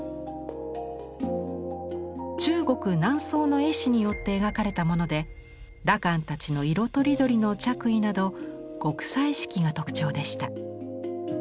中国・南宋の絵師によって描かれたもので羅漢たちの色とりどりの着衣など極彩色が特徴でした。